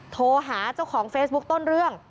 โทรหาเจ้าของเฟซบุ๊คต้นเรื่อง